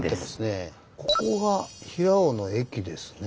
ここが平尾の駅ですね。